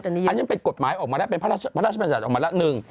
อันนี้เป็นกฎหมายออกมาแล้วเป็นพระราชบัญญัติออกมาแล้วหนึ่ง